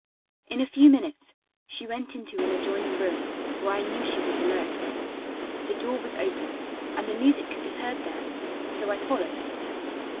In a few minutes she went into an adjoining room where I knew she was alone. The door was open and the music could be heard there, so I followed.